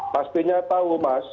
pastinya tahu mas